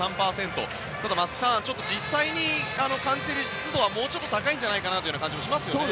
ただ、松木さん実際に感じる湿度はもうちょっと高いんじゃないかなという気もしますね。